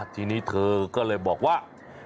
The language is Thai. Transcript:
ทีนี้เธอก็เลยบอกว่า